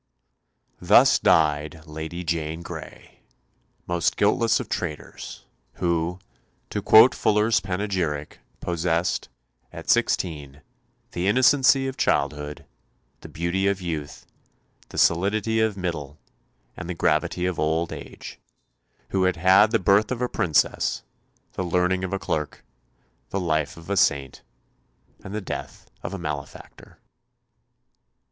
Thus died Lady Jane Grey, most guiltless of traitors; who, to quote Fuller's panegyric, possessed, at sixteen, the innocency of childhood, the beauty of youth, the solidity of middle, and the gravity of old, age; who had had the birth of a princess, the learning of a clerk, the life of a saint, and the death of a malefactor.